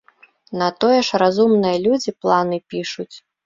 На тое ж разумныя людзі планы пішуць.